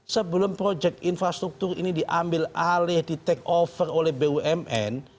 sebelum proyek infrastruktur ini diambil alih di take over oleh bumn